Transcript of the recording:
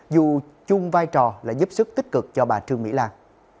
dù chung vai trò là giúp sức tích cực cho bà trương mỹ lan